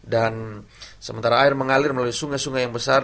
dan sementara air mengalir melalui sungai sungai yang besar